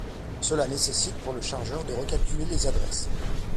Cela nécessite pour le chargeur de recalculer les adresses.